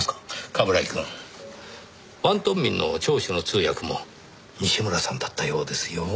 冠城くん王東明の聴取の通訳も西村さんだったようですよ。